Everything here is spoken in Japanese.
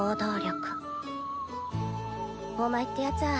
お前ってやつは。